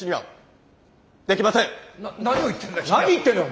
何を言ってんだ君は！